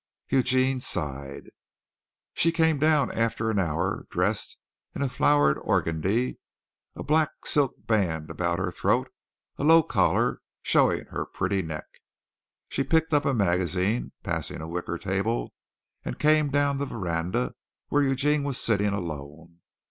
Eugene sighed. She came down after an hour, dressed in a flowered organdie, a black silk band about her throat, a low collar showing her pretty neck. She picked up a magazine, passing a wicker table, and came down the veranda where Eugene was sitting alone.